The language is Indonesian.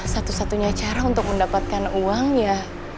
satu satunya cara untuk mendapatkan uang ya